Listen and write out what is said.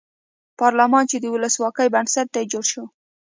پارلمان چې د ولسواکۍ بنسټ دی جوړ شو.